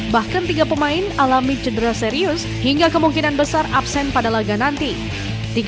bahkan tiga pemain alami cedera serius hingga kemungkinan besar absen pada laga nanti